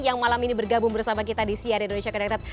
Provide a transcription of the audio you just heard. yang malam ini bergabung bersama kita di cr indonesia connected